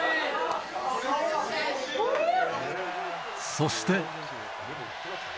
そして。